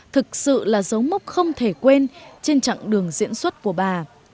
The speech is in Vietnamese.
thực sự là dấu mốc không thể quên trên chặng đường diễn xuất của bà